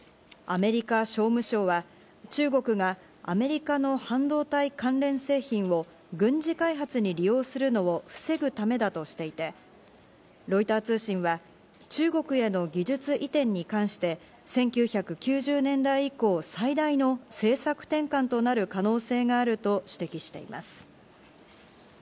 アメリカ商務省は中国がアメリカの半導体関連製品を軍事開発に利用するのを防ぐためだとしていて、ロイター通信は、中国への技術移転に関して、１９９０年代以降、最大の政策転換となる可能性があると指摘しています。